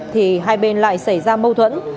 thì hai bên lại xảy ra mâu thuẫn